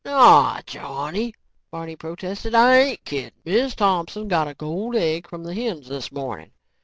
"Naw, Johnny," Barney protested, "I ain't kidding. Miz Thompson got a gold egg from the hens this morning.